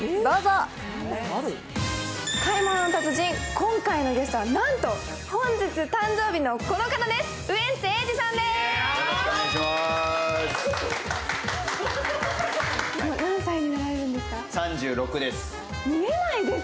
今回のゲストは、なんと本日誕生日のこの方です。